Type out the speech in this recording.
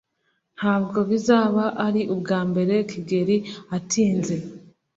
Ntabwo bizaba ari ubwambere Kigeri atinze.